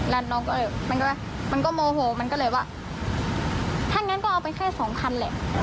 แล้วน้องก็เลยมันก็โมโหมันก็เลยว่าถ้างั้นก็เอาไปแค่สองคันแหละ